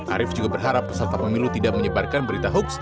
arief juga berharap peserta pemilu tidak menyebarkan berita hoax